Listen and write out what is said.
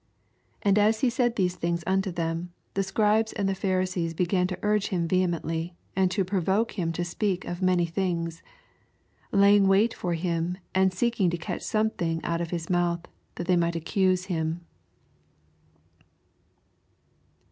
58 And as he said these things unto them, the Scribes and the Phar isees began to ur^e him vehemently, and to provoke him to speak of many things : 54 Laying wait for him, and seek ing to catcii something out of his mouth, that they might accuse him.